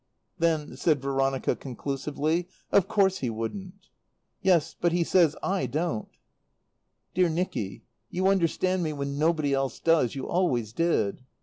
"Then," said Veronica conclusively, "of course he wouldn't." "Yes; but he says I don't." "Dear Nicky, you understand me when nobody else does. You always did."